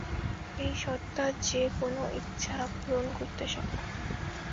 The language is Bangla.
এই সত্তা যে কোনো ইচ্ছা পুরণ করতে সক্ষম।